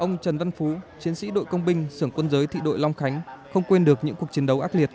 ông trần văn phú chiến sĩ đội công binh sưởng quân giới thị đội long khánh không quên được những cuộc chiến đấu ác liệt